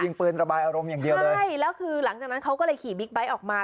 ปืนระบายอารมณ์อย่างเดียวเลยใช่แล้วคือหลังจากนั้นเขาก็เลยขี่บิ๊กไบท์ออกมา